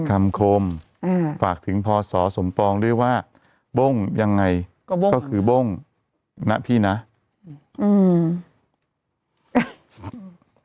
คำคมฝากถึงพ่อสอสมปองด้วยว่าบ้งยังไงก็คือบ้งนะพี่นะอืม